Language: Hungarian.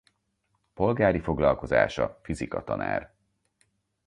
Polgári foglalkozása fizikatanár.